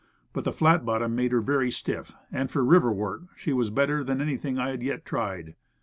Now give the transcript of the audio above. But the flat bottom made her very stiff, and for river work she was better than anything I had yet tried.